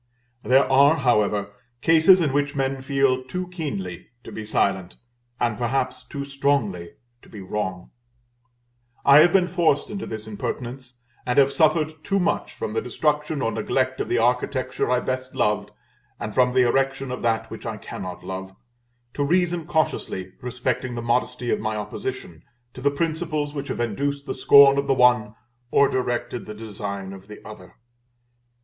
There are, however, cases in which men feel too keenly to be silent, and perhaps too strongly to be wrong; I have been forced into this impertinence; and have suffered too much from the destruction or neglect of the architecture I best loved, and from the erection of that which I cannot love, to reason cautiously respecting the modesty of my opposition to the principles which have induced the scorn of the one, or directed the design of the other.